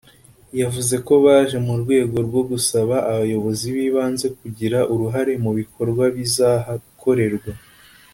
yavuze ko baje mu rwego rwo gusaba abayobozi b’ibanze kugira uruhare mu bikorwa bizahakorerwa